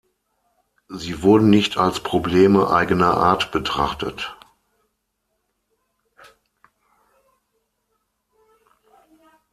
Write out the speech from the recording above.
Sie wurden nicht als Probleme eigener Art betrachtet.